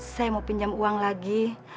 saya mau pinjam uang lagi